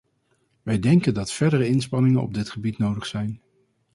Wij denken dat verdere inspanningen op dit gebied nodig zijn.